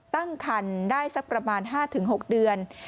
ตั้งคันได้สักประมาณ๕๖เดือน